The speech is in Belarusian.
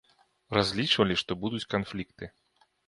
Разлічвалі, што будуць канфлікты.